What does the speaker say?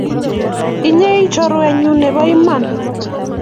Inye ii chorwenyu nebo iman